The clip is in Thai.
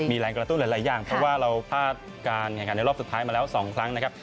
มีแรงกระตุ้นหลายอย่างเพราะว่าเราพลาดการแข่งขันในรอบสุดท้ายมาแล้ว๒ครั้งนะครับ